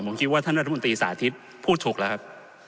ผมคิดว่าท่านรัฐมนตรีสาธิตพูดถูกแล้วครับ